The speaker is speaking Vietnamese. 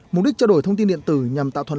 mục đích trao đổi thông tin điện tử nhằm tạo thuận lợi